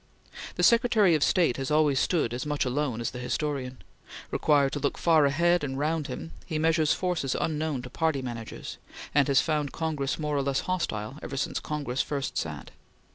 The Secretary of State has always stood as much alone as the historian. Required to look far ahead and round him, he measures forces unknown to party managers, and has found Congress more or less hostile ever since Congress first sat.